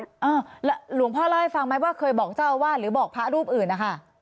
แล้วหลวงพ่อเล่าให้ฟังไหมว่าเคยบอกเจ้าอาวาสหรือบอกพระรูปอื่นนะคะ